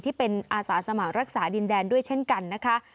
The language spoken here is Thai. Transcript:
ที่เป็นอาสาสมัครรักษาดินแดนด้วยเช่นกันนะคะ